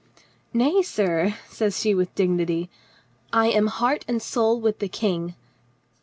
"Nay, sir," says she with dignity, "I am heart and soul with the King."